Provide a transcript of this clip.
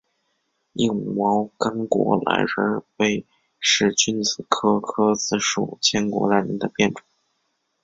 硬毛千果榄仁为使君子科诃子属千果榄仁的变种。